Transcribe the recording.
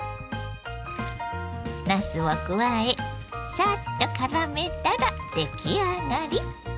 なすを加えサッとからめたら出来上がり。